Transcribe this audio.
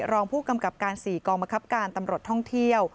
รองผู้กำกับการ๔กองบังคับการตำรวจท่องเที่ยว